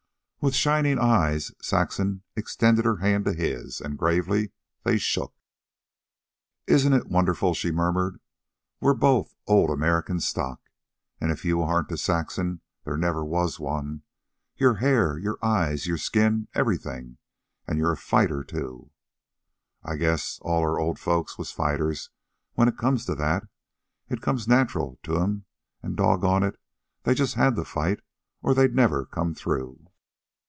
With shining eyes, Saxon extended her hand to his, and gravely they shook. "Isn't it wonderful?" she murmured. "We're both old American stock. And if you aren't a Saxon there never was one your hair, your eyes, your skin, everything. And you're a fighter, too." "I guess all our old folks was fighters when it comes to that. It come natural to 'em, an' dog gone it, they just had to fight or they'd never come through."